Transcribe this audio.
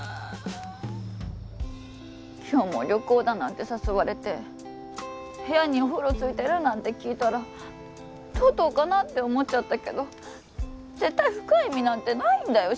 今日も旅行だなんて誘われて部屋にお風呂ついてるなんて聞いたらとうとうかなって思っちゃったけど絶対深い意味なんてないんだよ